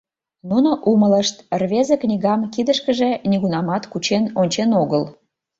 Нуно умылышт: рвезе книгам кидышкыже нигунамат кучен ончен огыл.